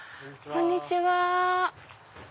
こんにちは。